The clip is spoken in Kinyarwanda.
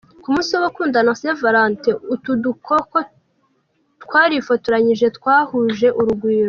Ku munsi w’Abakundana, Saint Valentin, utu dukoko rwarifotoranyije twahuje urugwiro.